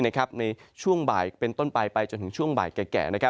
ในช่วงบ่ายเป็นต้นไปไปจนถึงช่วงบ่ายแก่